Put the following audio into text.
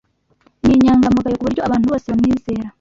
Ni inyangamugayo kuburyo abantu bose bamwizera.